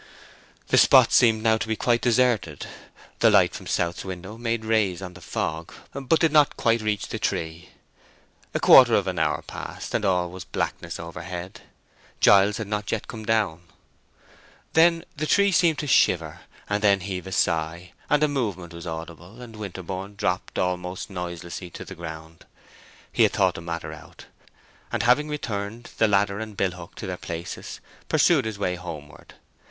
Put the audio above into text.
The spot seemed now to be quite deserted. The light from South's window made rays on the fog, but did not reach the tree. A quarter of an hour passed, and all was blackness overhead. Giles had not yet come down. Then the tree seemed to shiver, then to heave a sigh; a movement was audible, and Winterborne dropped almost noiselessly to the ground. He had thought the matter out, and having returned the ladder and billhook to their places, pursued his way homeward.